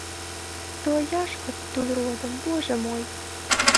То я ж адтуль родам, божа мой!